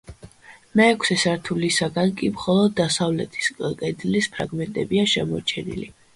მეექვსე სართულისაგან კი მხოლოდ დასავლეთის კედლის ფრაგმენტებია შემორჩენილი.